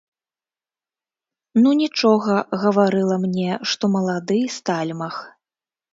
Ну, нічога, гаварыла мне, што малады стальмах.